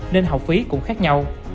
nên học phí cũng khác nhau